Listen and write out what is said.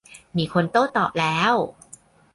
มีคนโต้ตอบแล้ว